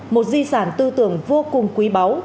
một di sản tư tưởng vô cùng quý báu